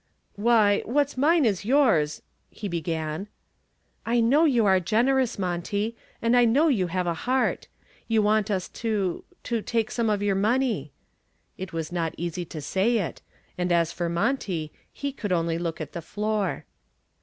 "Why, what's mine is yours " he began. "I know you are generous, Monty, and I know you have a heart. You want us to to take some of your money," it was not easy to say it, and as for Monty, he could only look at the floor.